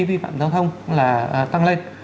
vi phạm giao thông là tăng lên